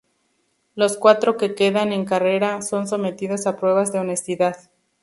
Los cuatro que quedan en carrera son sometidos a pruebas de honestidad.